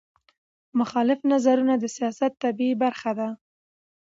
مخالف نظرونه د سیاست طبیعي برخه ده